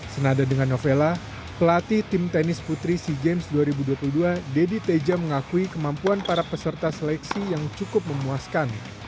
senada dengan novella pelatih tim tenis putri sea games dua ribu dua puluh dua deddy teja mengakui kemampuan para peserta seleksi yang cukup memuaskan